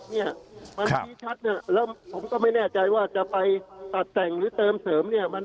เนี่ยมันชี้ชัดเนี่ยแล้วผมก็ไม่แน่ใจว่าจะไปตัดแต่งหรือเติมเสริมเนี่ย